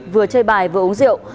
vừa chơi bài vừa uống rượu